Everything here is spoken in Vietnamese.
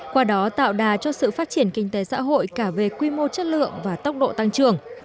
qua đó tạo đà cho sự phát triển kinh tế xã hội cả về quy mô chất lượng và tốc độ tăng trưởng